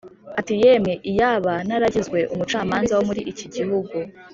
ati “Yemwe, iyaba naragizwe umucamanza wo muri iki gihugu